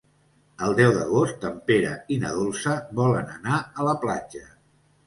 El deu d'agost en Pere i na Dolça volen anar a la platja.